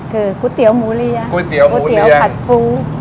คือกุ้ยเตี๋ยวหมูเลี้ยกุ้ยเตี๋ยวผัดปู